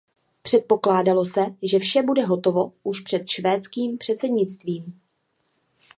Předpokládalo se, že vše bude hotovo už před švédským předsednictvím.